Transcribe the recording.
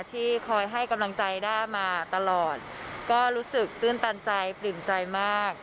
ที่คอยให้กำลังใจด้ามาตลอดก็รู้สึกตื้นตันใจปลื่นใจมาก